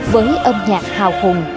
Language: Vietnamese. với âm nhạc hào hùng